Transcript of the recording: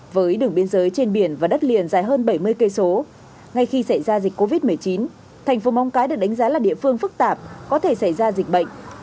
với đường biên giới trên biển và đất liền dài hơn bảy mươi km ngay khi xảy ra dịch covid một mươi chín thành phố móng cái được đánh giá là địa phương phức tạp có thể xảy ra dịch bệnh